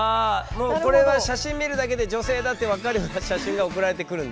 もうこれは写真見るだけで女性だって分かるような写真が送られてくるんだ？